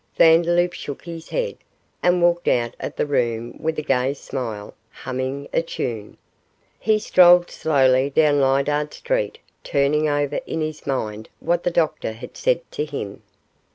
Vandeloup shook his head, and walked out of the room with a gay smile, humming a tune. He strolled slowly down Lydiard Street, turning over in his mind what the doctor had said to him.